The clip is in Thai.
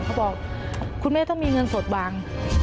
เขาบอกคุณแม่ต้องมีเงินสดวาง